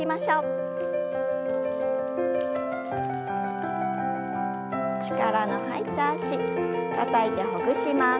力の入った脚たたいてほぐします。